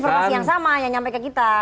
informasi yang sama yang nyampe ke kita